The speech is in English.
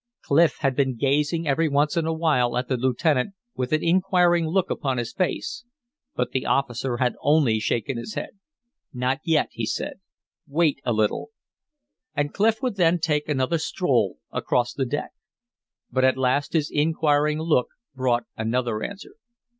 Clif had been gazing every once in a while at the lieutenant with an inquiring look upon his face, but the officer had only shaken his head. "Not yet," he said. "Wait a little." And Clif would then take another stroll across the deck. But at last his inquiring look brought another answer.